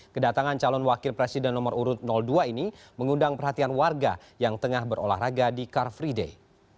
kedatangan calon wakil presiden nomor urut dua ini mengundang perhatian warga yang tengah berolahraga di car free day